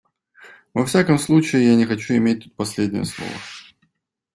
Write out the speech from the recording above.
Во всяком случае, я не хочу иметь тут последнее слово.